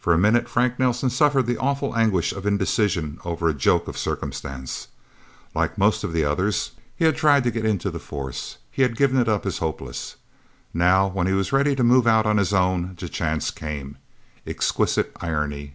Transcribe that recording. For a minute Frank Nelsen suffered the awful anguish of indecision over a joke of circumstance. Like most of the others, he had tried to get into the Force. He had given it up as hopeless. Now, when he was ready to move out on his own, the chance came. Exquisite irony.